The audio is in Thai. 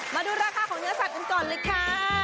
มาดูราคาของเนื้อสัตว์กันก่อนเลยค่ะ